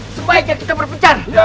sebaiknya kita berpecar